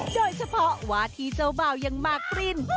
โดยเฉพาะวาทีเจ้าบ่ายังมากริน